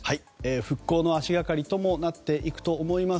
復興の足掛かりとなっていくと思います。